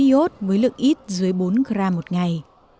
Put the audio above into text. hốt với lượng ít dưới bốn gram một ngày